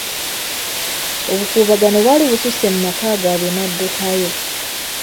Obukuubagano bwali bususse mu maka gaabwe n'addukayo.